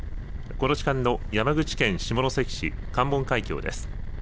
この時間の山口県下関市関門海峡です。